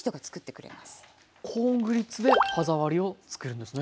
コーングリッツで歯触りを作るんですね。